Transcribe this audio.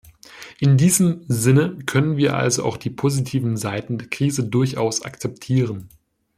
In diesem Sinne können wir also auch die positiven Seiten der Krise durchaus akzeptieren.